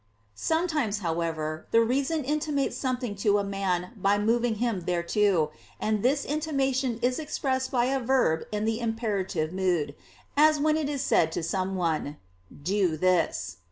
Sometimes, however, the reason intimates something to a man by moving him thereto; and this intimation is expressed by a verb in the imperative mood; as when it is said to someone: "Do this."